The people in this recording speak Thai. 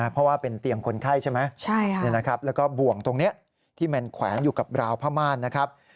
เพราะว่าเป็นเตียงคนไข้ใช่ไหมแล้วก็บ่วงตรงนี้ที่มันแขวนอยู่กับราวผ้าม่านนะครับ